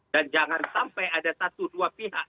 dan jangan sampai ada satu dua pihak